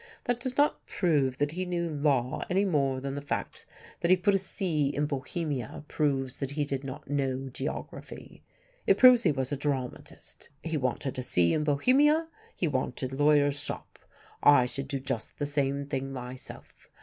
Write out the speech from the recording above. That does not prove that he knew law any more than the fact that he put a sea in Bohemia proves that he did not know geography. It proves he was a dramatist. He wanted a sea in Bohemia. He wanted lawyer's 'shop.' I should do just the same thing myself.